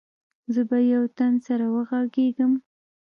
زه به يو تن سره وغږېږم.